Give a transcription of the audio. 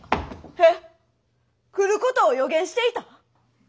え⁉来ることを予言していた？